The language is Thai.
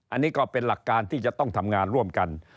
อันนี้ก็เป็นหลักการที่จะต้องทำงานร่วมกัน